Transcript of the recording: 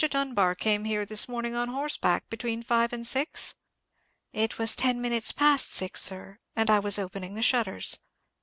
Dunbar came here this morning on horseback, between five and six?" "It was ten minutes past six, sir, and I was opening the shutters."